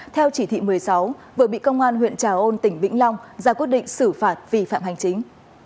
theo chỉ thị một mươi sáu vừa bị công an huyện trà ôn tỉnh vĩnh long ra quyết định xử phạt vi phạm hành chính